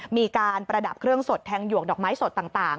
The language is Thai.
มีการประดับเครื่องสดแทงหยวกดอกไม้สดต่าง